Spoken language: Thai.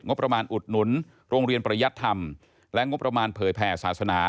งบประมาณอุดหนุนโรงเรียนประยัติธรรมและงบประมาณเผยแผ่ศาสนา